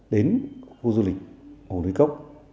đến khu du lịch hồ núi cốc